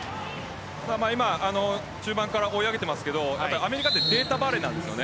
中盤から追い上げてますがアメリカはデータバレーなんです。